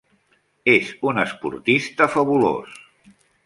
És un esportista fabulós.